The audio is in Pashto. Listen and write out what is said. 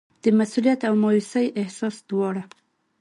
د مسوولیت او مایوسۍ احساس دواړه.